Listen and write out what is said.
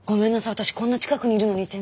私こんな近くにいるのに全然。